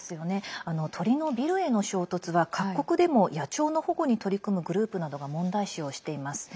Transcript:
鳥のビルへの衝突は各国でも野鳥の保護に取り組むグループなどが問題視をしています。